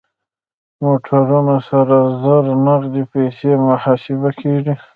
موټرونه سره زر نغدې پيسې محاسبه کېږي.